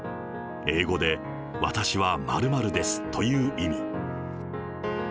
英語で、私は○○ですという意味。